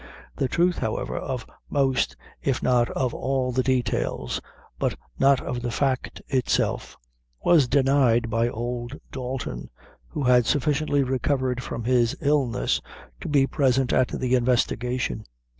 The truth, however, of most if not of all the details, but not of the fact itself, was denied by old Dalton, who had sufficiently recovered from his illness, to be present at the investigation.